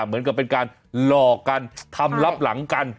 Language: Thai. เหมือนกับเป็นการหลอกกันทำรับหลังกัน